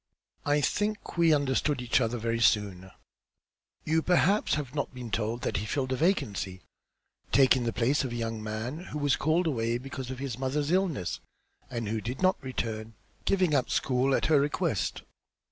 I think we understood each other very soon. You perhaps have not been told that he filled a vacancy, taking the place of a young man who was called away because of his mother's illness, and who did not return, giving up the school at her request.